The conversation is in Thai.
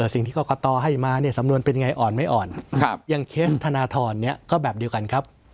สิ่งที่กรกตให้มาเนี่ยสำนวนเป็นยังไงอ่อนไม่อ่อนอย่างเคสธนทรเนี่ยก็แบบเดียวกันครับ